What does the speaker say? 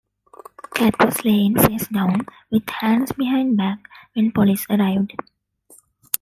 Katt was laying face down with hands behind back when police arrived.